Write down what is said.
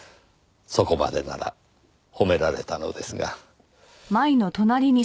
そこまでなら褒められたのですが。